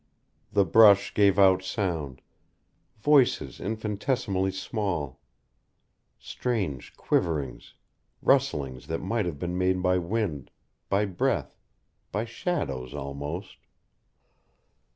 The brush gave out sound voices infinitesimally small, strange quiverings, rustlings that might have been made by wind, by breath, by shadows, almost.